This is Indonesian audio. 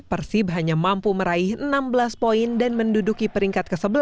persib hanya mampu meraih enam belas poin dan menduduki peringkat ke sebelas